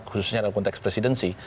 khususnya dalam konteks presidensi